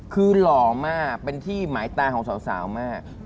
คือหล่อมากเป็นที่หมายตาของสาวมาก